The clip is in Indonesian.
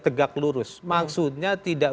tegak lurus maksudnya tidak